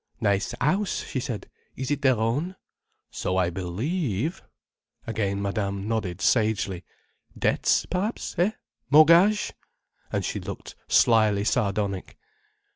"Nice house!" she said. "Is it their own?" "So I believe—" Again Madame nodded sagely. "Debts perhaps—eh? Mortgage—" and she looked slyly sardonic.